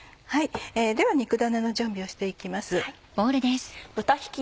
では肉ダネの準備をして行きます。